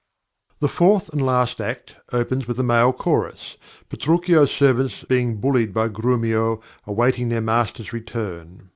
The fourth and last act opens with a male chorus, Petruchio's servants being bullied by Grumio, awaiting their master's return.